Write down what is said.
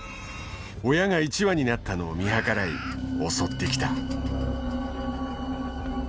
親が１羽になったのを見計らい襲ってきた。